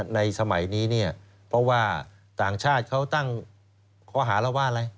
ในสมัยนี้เนี่ยเพราะว่าต่างชาติเขาตั้งข้อหาเราว่าอะไร